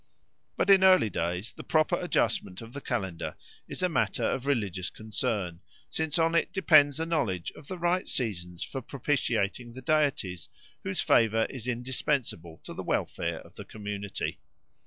But in early days the proper adjustment of the calendar is a matter of religious concern, since on it depends a knowledge of the right seasons for propitiating the deities whose favour is indispensable to the welfare of the community.